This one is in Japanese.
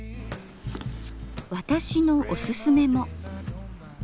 私のおすすめも。